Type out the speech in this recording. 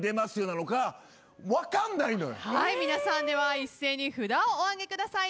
では一斉に札をお挙げください。